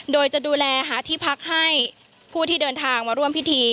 โดยจะดูแลหาที่พักให้ผู้ที่เดินทางมาร่วมพิธี